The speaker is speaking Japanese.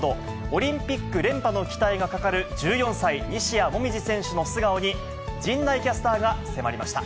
オリンピック連覇の期待がかかる１４歳、西矢椛選手の素顔に、陣内キャスターが迫りました。